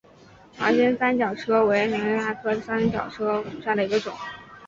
毛蕊三角车为堇菜科三角车属下的一个种。